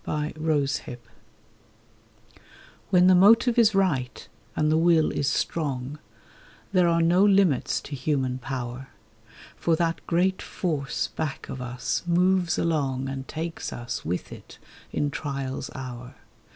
LIMITLESS WHEN the motive is right and the will is strong There are no limits to human power; For that great Force back of us moves along And takes us with it, in trial's hour.